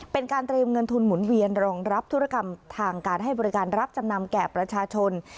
เป็นการเตรียมเงินทุนหมุนเวียนรองรับธุรกรรมทางการให้บริการรับจำนำแก่ประชาชน